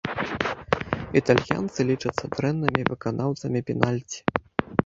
Італьянцы лічацца дрэннымі выканаўцамі пенальці.